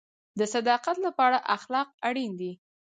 د صداقت لپاره اخلاق اړین دي